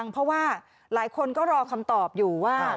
เพราะว่าหลายคนก็รอคำตอบอยู่ว่า